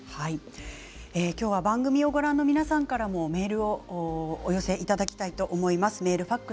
番組をご覧の皆さんからもメールをお寄せいただきたいと思います。